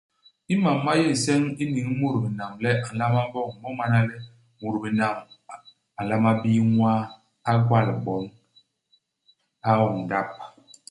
Imam ma yé nseñ i niñ i mut binam le a nlama boñ, mo mana le, mut binam a a nlama bii ñwaa, a gwal bon, a oñ ndap.